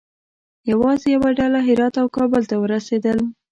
یوازې یوه ډله هرات او کابل ته ورسېدل.